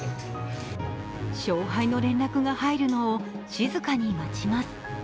勝敗の連絡が入るのを静かに待ちます。